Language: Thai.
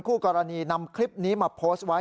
คู่กรณีนำคลิปนี้มาโพสต์ไว้